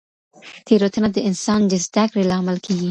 تېروتنه د انسان د زده کړې لامل کیږي.